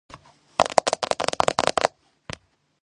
სოფლის განაპირას, სასაფლაოზე წმინდა მარინეს ერთნავიანი ეკლესია დგას.